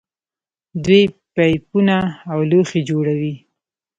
دوی پایپونه او لوښي جوړوي.